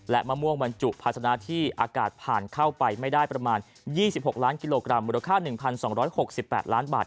และมะม่วงบรรจุภาษณะที่อากาศผ่านเข้าไปไม่ได้ประมาณ๒๖ล้านกิโลกรัมมูลค่า๑๒๖๘ล้านบาท